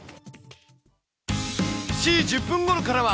７時１０分ごろからは、